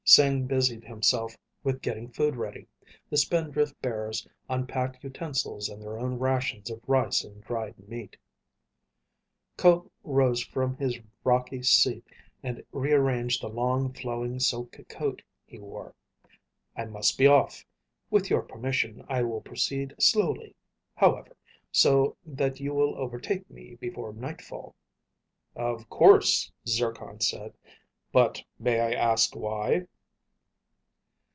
Sing busied himself with getting food ready. The Spindrift bearers unpacked utensils and their own rations of rice and dried meat. Ko rose from his rocky seat and rearranged the long, flowing silk coat he wore. "I must be off. With your permission, I will proceed slowly, however, so that you will overtake me before nightfall." "Of course," Zircon said. "But may I ask why?"